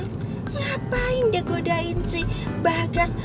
ngapain dia godain si bagas